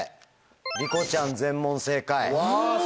りこちゃん全問正解。